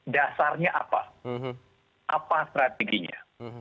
dasarnya apa apa strateginya